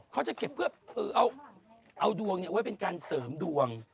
เขาจะเก็บเพื่อเอาดวงไว้เป็นการเสริมดวง